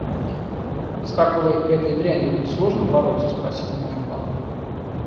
«С раковою этой дрянью-то сложно бороться?» — спросила моя бабка.